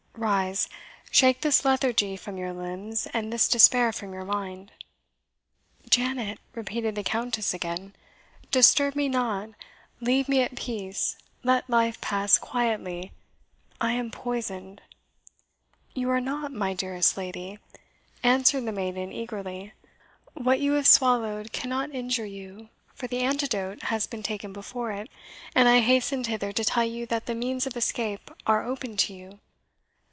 Rise, shake this lethargy from your limbs, and this despair from your mind." "Janet," repeated the Countess again, "disturb me not leave me at peace let life pass quietly. I am poisoned." "You are not, my dearest lady," answered the maiden eagerly. "What you have swallowed cannot injure you, for the antidote has been taken before it, and I hastened hither to tell you that the means of escape are open to you."